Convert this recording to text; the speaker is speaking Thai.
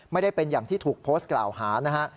ไม่ได้เป็นอย่างที่ถูกโพสต์กล่าวหานะฮะ